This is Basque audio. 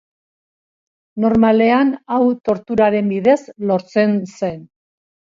Normalean, hau torturaren bidez lortzen zen.